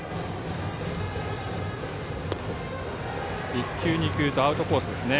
１球、２球とアウトコースですね。